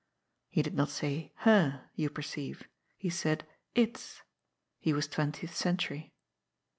He did not say " her," you perceive. He said " its." He was twentieth century.